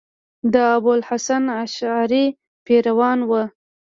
د ابو الحسن اشعري پیروان وو.